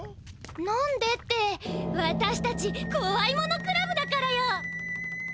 何でってわたしたちこわいものクラブだからよ。